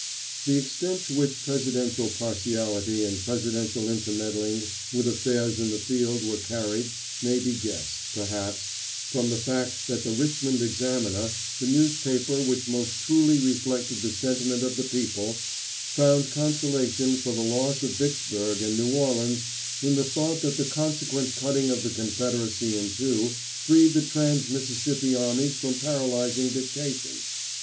The extent to which presidential partiality and presidential intermeddling with affairs in the field were carried may be guessed, perhaps, from the fact that the Richmond Examiner, the newspaper which most truly reflected the sentiment of the people, found consolation for the loss of Vicksburg and New Orleans in the thought that the consequent cutting of the Confederacy in two freed the trans Mississippi armies from paralyzing dictation.